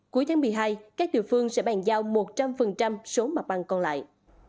cuối tháng một mươi hai các địa phương sẽ bàn giao một trăm linh số mặt bằng còn lại